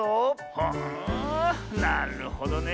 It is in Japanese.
はあなるほどね。